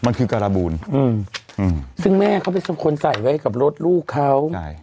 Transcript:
มันคือการบูลอืมซึ่งแม่เขาเป็นคนใส่ไว้กับรถลูกเขาใช่